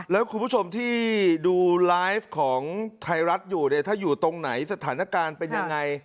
แล้วคุณผู้ชมที่ดูไลฟ์ของไทยรัฐอยู่เนี่ยถ้าอยู่ตรงไหนสถานการณ์เป็นยังไง